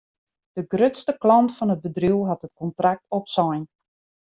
De grutste klant fan it bedriuw hat it kontrakt opsein.